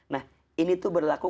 nah ini tuh berlaku